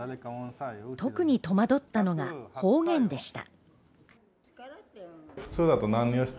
特に戸惑ったのが方言でした。